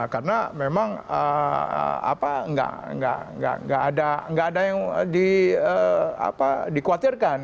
karena memang nggak ada yang dikuatirkan